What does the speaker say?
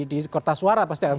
tentang suara pasti